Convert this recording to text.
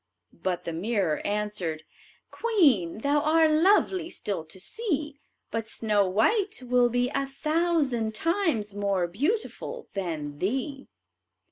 But the mirror answered: "Queen, thou are lovely still to see, But Snow white will be A thousand times more beautiful than thee."